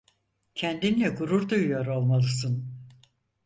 Kendinle gurur duyuyor olmalısın.